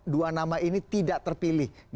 dua nama ini tidak terpilih